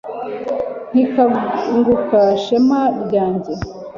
Nti Kanguka shema ryanjye